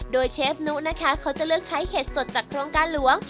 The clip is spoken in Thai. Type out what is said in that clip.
โดยเชฟนุนะคะเขาจะเลือกใช้เห็ดสดจากโครงการหลวง